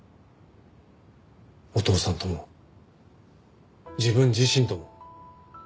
お父さんとも自分自身とも。